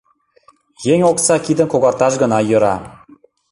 Еҥ окса кидым когарташ гына йӧра.